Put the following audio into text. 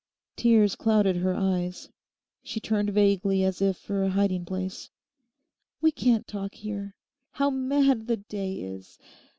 Tears clouded her eyes. She turned vaguely as if for a hiding place. 'We can't talk here. How mad the day is.